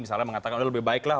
misalnya mengatakan lebih baiklah